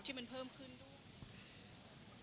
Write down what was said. จะเป็นเพิ่มขึ้นลวด